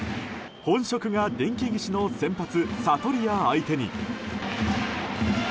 本職が電気技師の先発サトリア相手に。